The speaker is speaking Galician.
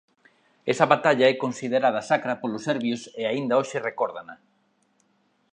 Esa batalla é considerada sacra polos serbios e aínda hoxe recórdana.